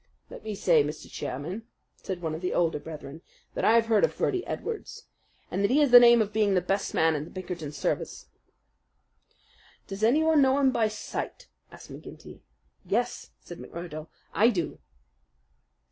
"Let me say, Mr. Chairman," said one of the older brethren, "that I have heard of Birdy Edwards, and that he has the name of being the best man in the Pinkerton service." "Does anyone know him by sight?" asked McGinty. "Yes," said McMurdo, "I do."